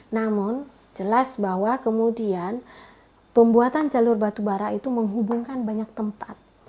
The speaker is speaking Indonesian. namun jelas bahwa kemudian pembuatan jalur batubara itu menghubungkan banyak tempat